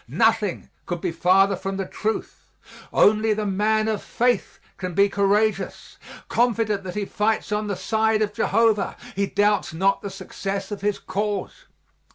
Nothing could be farther from the truth. Only the man of faith can be courageous. Confident that he fights on the side of Jehovah, he doubts not the success of his cause.